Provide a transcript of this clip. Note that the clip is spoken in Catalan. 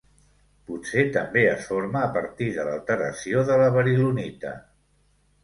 Potser també es forma a partir de l'alteració de la beril·lonita.